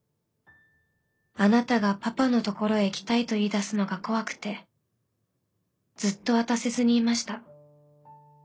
あなたがパパの所へ行きたいと言い出すのが怖くてずっと渡せずにいました。